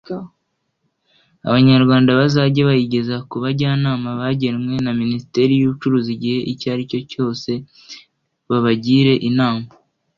Abanyarwanda bazajye bayigeza ku bajyanama bagenwe na minisiteri y’Ubucuruzi igihe icyo ari cyo cyose babagire inama